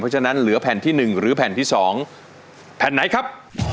เพราะฉะนั้นเหลือแผ่นที่๑หรือแผ่นที่๒แผ่นไหนครับ